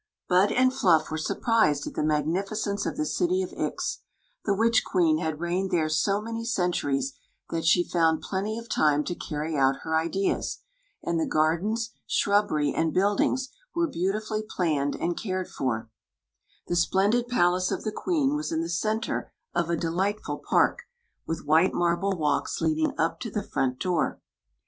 Bm and Fluff were surprwedat the mai^nificence of the city of Ix. The wit di qamn reig»ed Acre so many centuries that she found f^ty m time to carry out her ideas; and the ardens. shrubbery, and buildbngs were beautifully plaancd md cared for. The sf^did palace of ^ quM m» in the center of a delightful park, with mittte mmM€ ^fM^ up to the front door.